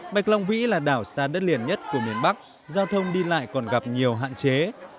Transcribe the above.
bạch long vĩ là đảo xa đất liền nhất của miền bắc giao thông đi lại còn gặp nhiều hạn chế